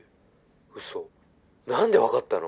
「ウソなんで分かったの？」